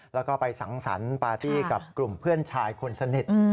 แล้วก็ไปสังสรรค์ปาร์ตี้กับกลุ่มเพื่อนชายคนสนิท